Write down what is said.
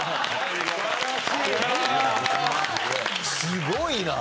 すごいな。